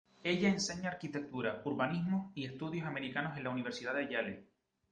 Ella enseña arquitectura, urbanismo, y estudios americanos en la Universidad de Yale.